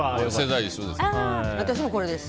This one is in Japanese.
私もこれです。